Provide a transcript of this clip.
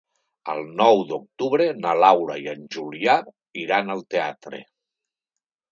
El nou d'octubre na Laura i en Julià iran al teatre.